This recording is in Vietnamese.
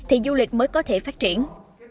thì du lịch mới có thể phát triển